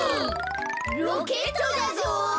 ロケットだぞ。